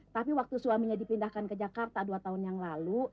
tapi waktu suaminya dipindahkan ke jakarta dua tahun yang lalu